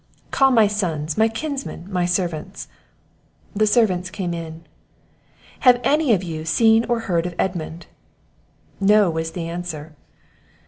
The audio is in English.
"Call my sons, my kinsmen, my servants." The servants came in. "Have any of you seen or heard of Edmund?" "No," was the answer.